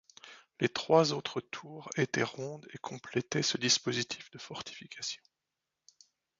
Les trois autres tours étaient rondes et complétaient ce dispositif de fortification.